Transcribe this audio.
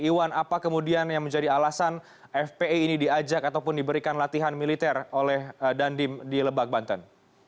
iwan apa kemudian yang menjadi alasan fpi ini diajak ataupun diberikan latihan militer oleh dandim di lebak banten